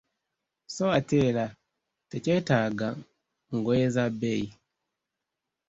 So ate era tekyetaaga ngoye za bbeeyi.